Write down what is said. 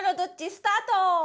スタート！